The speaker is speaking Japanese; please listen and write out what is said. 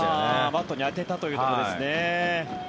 バットに当てたというところですね。